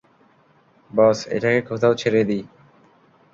বস, এটাকে কোথাও ছেড়ে দিই।